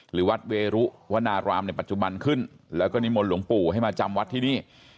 หรือวัดเวรุวนารามในปัจจุบันขึ้นแล้วก็นิมนต์หลวงปู่ให้มาจำวัดที่นี่